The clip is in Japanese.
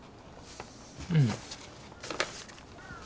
うん。